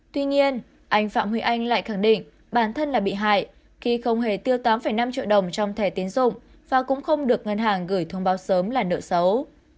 tuy nhiên anh phạm huy anh lại khẳng định bản thân là bị hại khi không hề tiêu tám năm triệu đồng trong thẻ tiến dụng và cũng không được ngân hàng gửi thông báo sớm là nợ xấu